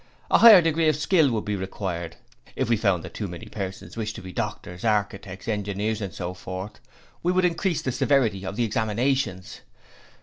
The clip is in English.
A higher degree of skill would be required. If we found that too many persons wished to be doctors, architects, engineers and so forth, we would increase the severity of the examinations.